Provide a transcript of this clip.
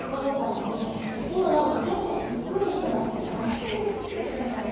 急にぷっくりしましたね。